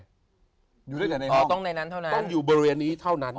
อยู่ได้แต่ในนั้นอ๋อต้องในนั้นเท่านั้นต้องอยู่บริเวณนี้เท่านั้น